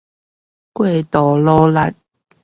過度努力